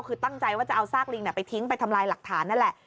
คือตั้งใจว่าจะเอาซากลิงไปทิ้งไปทำลายหลักฐานนั่นแหละ